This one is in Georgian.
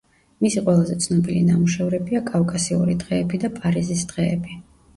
მისი ყველაზე ცნობილი ნამუშევრებია „კავკასიური დღეები“ და „პარიზის დღეები“.